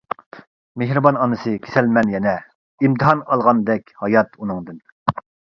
مېھرىبان ئانىسى كېسەلمەن يەنە، ئىمتىھان ئالغاندەك ھايات ئۇنىڭدىن.